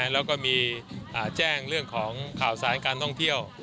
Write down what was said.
แล้วก็มีแจ้งเรื่องของข่าวสารการท่องเที่ยว